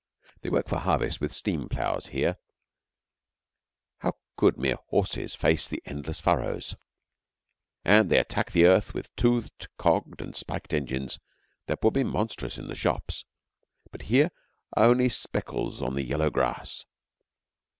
They work for harvest with steam ploughs here. How could mere horses face the endless furrows? And they attack the earth with toothed, cogged, and spiked engines that would be monstrous in the shops, but here are only speckles on the yellow grass.